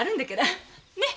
ねっ。